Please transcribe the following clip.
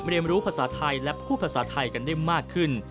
เรียนรู้ภาษาไทยและพูดภาษาไทยกันได้มากขึ้น